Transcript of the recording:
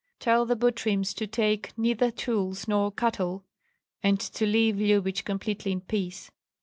Tell the Butryms to take neither tools nor cattle, and to leave Lyubich completely in peace.